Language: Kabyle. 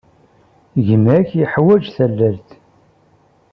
Gma-k yeḥwaj tallalt.